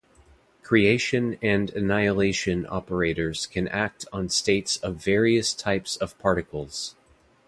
Creation and annihilation operators can act on states of various types of particles.